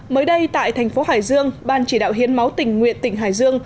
ngay tại thành phố hải dương ban chỉ đạo hiến máu tình nguyện tỉnh hải dương